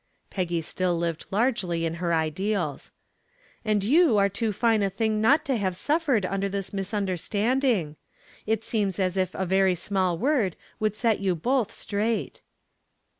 Peggy still lived largely in her ideals. "And you are too fine a thing not to have suffered under this misunderstanding. It seems as if a very small word would set you both straight."